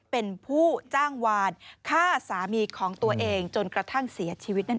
เป็นผู้จ้างวานฆ่าสามีของตัวเองจนกระทั่งเสียชีวิตนั่นเอง